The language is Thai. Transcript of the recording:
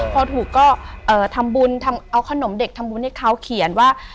พอถูกก็ทำบุญทำเอาขนมเด็กทำบุญให้เขาเขียนว่า